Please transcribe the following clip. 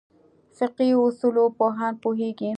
فقهې اصولو پوهان پوهېږي.